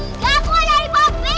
enggak aku mau jadi poppy